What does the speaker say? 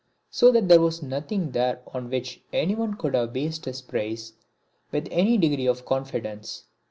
So that there was nothing there on which anyone could have based his praise with any degree of confidence.